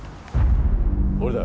俺だ。